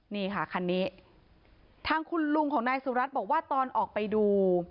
นี่ค่ะคันนี้ทางคุณลุงของนายสุรัตน์บอกว่าตอนออกไปดู